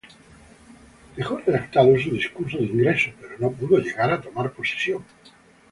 Dejó redactado su discurso de ingreso, pero no pudo llegar a tomar posesión.